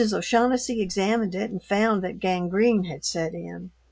O'Shaughnessy examined it and found that gangrene had set in.